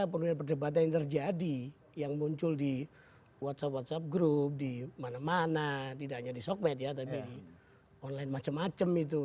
penuhnya perdebatan yang terjadi yang muncul di whatsapp whatsapp group di mana mana tidak hanya di sogmed ya tapi di online macam macam itu